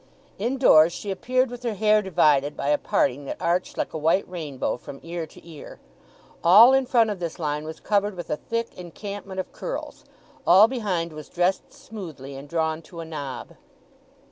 Indoors she appeared with her hair divided by a parting that arched like a white rainbow from ear to ear. All in front of this line was covered with a thick encampment of curls; all behind was dressed smoothly, and drawn to a knob.